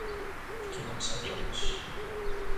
Por que não sairemos?